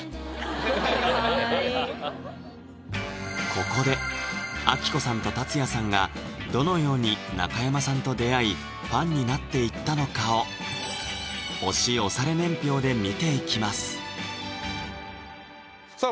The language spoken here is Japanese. ここで亜希子さんと達也さんがどのように中山さんと出会いファンになっていったのかを推し推され年表で見ていきますさあ